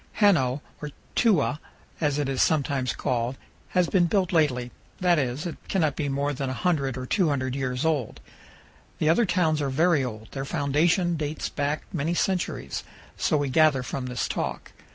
Hano, or "Tewa" as it is sometimes called, has been built lately; that is, it cannot be more than 100 or 200 years old. The other towns are very old; their foundation dates back many centuries so we gather from this talk.